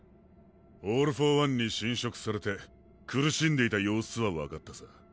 オール・フォー・ワンに侵食されて苦しんでいた様子はわかったさ。